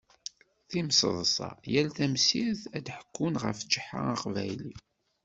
Timseḍṣa, yal tamsirt ad d-ḥekkun ɣef Ǧeḥḥa aqbayli.